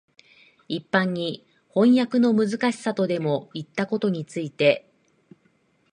一般に飜訳のむずかしさとでもいったことについて、